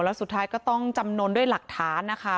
แล้วสุดท้ายก็ต้องจำนวนด้วยหลักฐานนะคะ